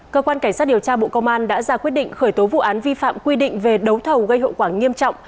cơ quan cảnh sát điều tra bộ công an đã ra quyết định khởi tố vụ án vi phạm quy định về đấu thầu gây hậu quả nghiêm trọng